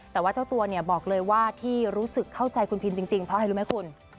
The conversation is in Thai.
แต่ว่าเจ้าตัวเนี่ยบอกเลยว่าที่รู้สึกเข้าใจคุณพิมจริงเพราะอะไรรู้ไหมคุณ